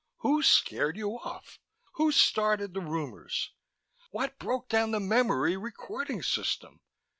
Who scared you off? Who started the rumors? What broke down the memory recording system?